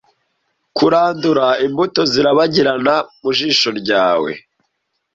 Kurandura imbuto zirabagirana mu jisho ryawe;